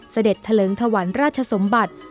เสด็จทะเลิงทวรรณราชสมบัติ